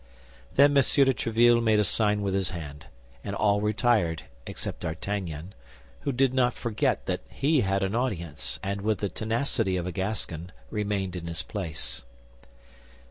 Then M. de Tréville made a sign with his hand, and all retired except D'Artagnan, who did not forget that he had an audience, and with the tenacity of a Gascon remained in his place.